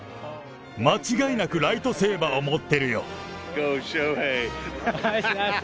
間違いなくライトセイバーを持っているよ！